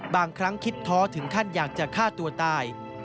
บางครั้งคิดท้อถึงขั้นอยากจะฆ่าตัวตาย